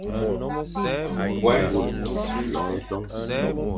Nkueng.